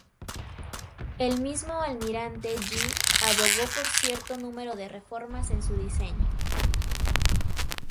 El mismo almirante Yi abogó por cierto número de reformas en su diseño.